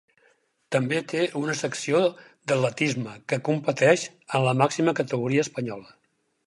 També té una secció d'atletisme que competeix en la màxima categoria espanyola.